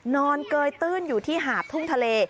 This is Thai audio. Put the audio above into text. เกยตื้นอยู่ที่หาดทุ่งทะเล